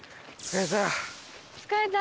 疲れた。